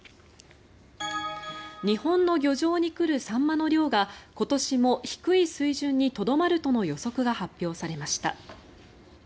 日本の漁場に来るサンマの量が今年も低い水準にとどまるとの予測が発表されました。